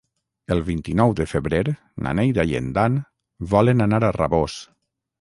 El vint-i-nou de febrer na Neida i en Dan volen anar a Rabós.